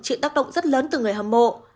chịu tác động rất lớn từ người hâm mộ